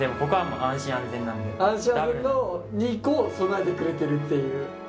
安心安全の２個備えてくれてるっていう。